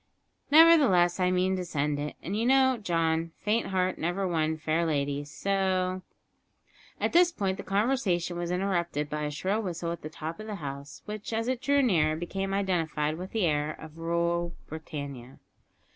Nevertheless, I mean to send it. And you know, John, `faint heart never won fair lady,' so " At this point the conversation was interrupted by a shrill whistle at the top of the house, which, as it drew nearer, became identified with the air of "Rule Britannia!"